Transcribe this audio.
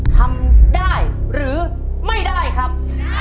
ทำได้หรือไม่ได้ครับ